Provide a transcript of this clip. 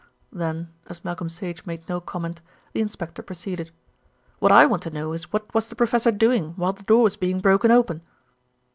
Then as Malcolm Sage made no comment, the inspector proceeded. "What I want to know is what was the professor doing while the door was being broken open?"